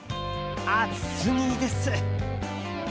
暑すぎです。